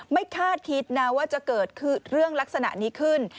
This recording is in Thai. คาดคิดนะว่าจะเกิดเรื่องลักษณะนี้ขึ้น